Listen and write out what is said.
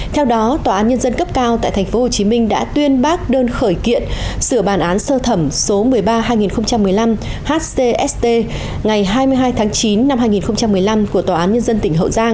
theo đó tòa án nhân dân cấp cao tại tp hcm đã tuyên bác đơn khởi kiện sửa bàn án sơ thẩm số một mươi ba hai nghìn một mươi năm hcst ngày hai mươi hai tháng chín năm hai nghìn một mươi năm của tòa án nhân dân tỉnh hậu giang